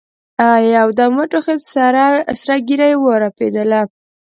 يودم وټوخېد سره ږيره يې ورپېدله.